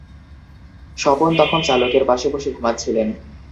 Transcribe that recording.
স্বপন তখন চালকের পাশে বসে ঘুমাচ্ছিলেন।